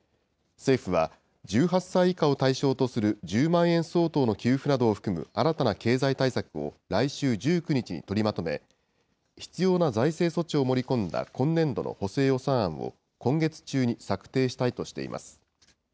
政府は、１８歳以下を対象とする１０万円相当の給付などを含む新たな経済対策を来週１９日に取りまとめ、必要な財政措置を盛り込んだ今年度の補正予算案を今月中に策定したいとしています。